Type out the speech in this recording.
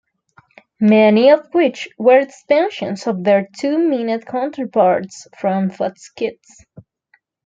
Many of which were expansions of their two-minute counterparts from Fox Kids.